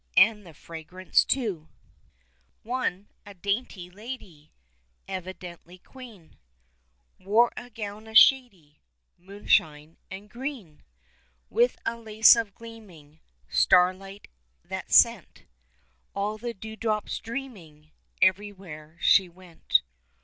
And the fragrance, too. 124 THE CHILDREN'S WONDER BOOK One — a dainty lady — Evidently queen — Wore a gown of shady Moonshine and green, With a lace of gleaming Starlight that sent All the dewdrops dreaming Everywhere she went.